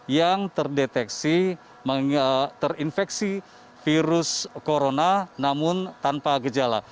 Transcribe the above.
yang terdeteksi terinfeksi virus corona namun tanpa gejala